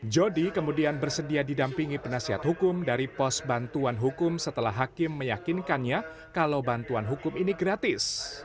jody kemudian bersedia didampingi penasihat hukum dari pos bantuan hukum setelah hakim meyakinkannya kalau bantuan hukum ini gratis